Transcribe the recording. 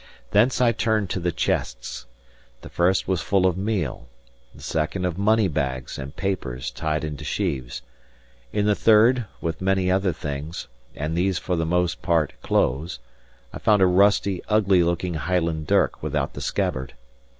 Thence I turned to the chests. The first was full of meal; the second of moneybags and papers tied into sheaves; in the third, with many other things (and these for the most part clothes) I found a rusty, ugly looking Highland dirk without the scabbard.